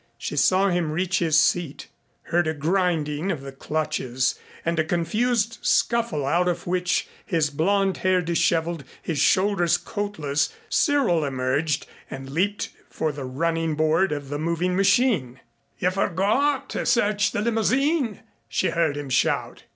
She saw him reach his seat, heard a grinding of the clutches and a confused scuffle out of which, his blond hair disheveled, his shoulders coatless, Cyril emerged and leaped for the running board of the moving machine. "You forgot to search the limousine," she heard him shout.